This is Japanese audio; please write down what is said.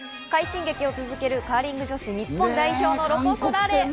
快進撃を続けるカーリング女子日本代表のロコ・ソラーレ。